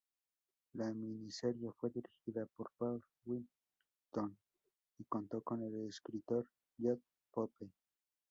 La miniserie fue dirigida por Paul Whittington y contó con el escritor Jeff Pope.